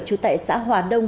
trú tại xã hòa đông